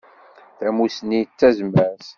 Tamussni d tazmert.